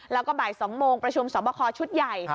แล้วก็บ่าย๒โมงประชุมสอบคอชุดใหญ่